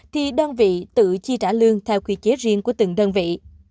thì đơn vị tự chi trả lương theo quy chế riêng của từng đơn vị